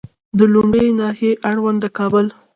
د لومړۍ ناحیې اړوند د کابل